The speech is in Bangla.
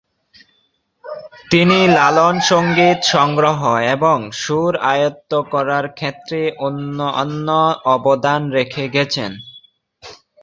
তিনি লালন সঙ্গীত সংগ্রহ এবং সুর আয়ত্ত করার ক্ষেত্রে অনন্য অবদান রেখে গেছেন।